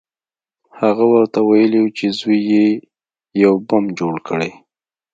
هغه ورته ویلي وو چې زوی یې یو بم جوړ کړی